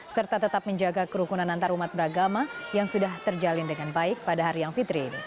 serta tetap menjaga kerukunan antarumat beragama yang sudah terjalin dengan baik pada hari yang fitri ini